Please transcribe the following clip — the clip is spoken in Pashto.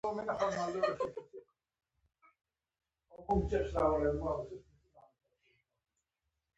نوري نسخې، چي دمؤلف تر مړیني وروسته کتابت سوي يي.